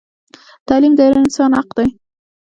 تعلیم د هر انسان حق دی